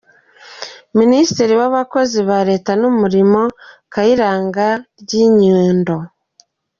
Ministre w’abakozi ba Leta n’umurimo ni Fanfan Kayirangwa Rwinyindo